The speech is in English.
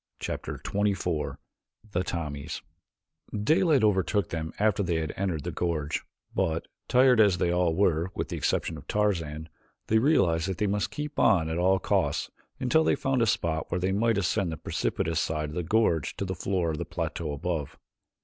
Chapter XXIV The Tommies Daylight overtook them after they had entered the gorge, but, tired as they all were with the exception of Tarzan, they realized that they must keep on at all costs until they found a spot where they might ascend the precipitous side of the gorge to the floor of the plateau above.